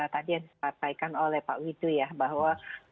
tadi yang disampaikan